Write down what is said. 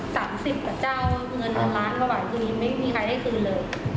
๓๐กว่าเจ้าเงินล้านกว่าบาทคืนนี้ไม่มีใครได้คืนเลย